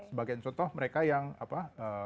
sebagai contoh mereka yang apa